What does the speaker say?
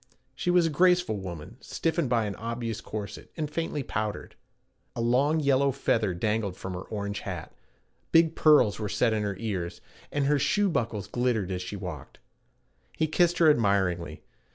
She was a graceful woman, stiffened by an obvious corset, and faintly powdered. A long yellow feather dangled from her orange hat, big pearls were set in her ears, and her shoe buckles glittered as she walked. He kissed her admiringly.